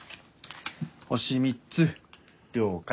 星３つ了解。